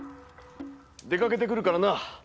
出掛けてくるからな。